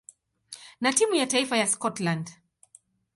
na timu ya taifa ya Scotland.